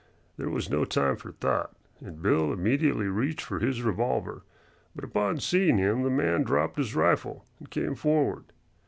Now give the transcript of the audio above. There was no time for thought, and Bill immediately reached for his revolver, but upon seeing him the man dropped his rifle and came forward.